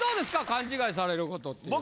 勘違いされることっていうのは。